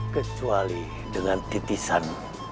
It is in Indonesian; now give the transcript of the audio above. kecuali dengan titisan